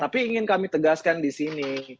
tapi ingin kami tegaskan di sini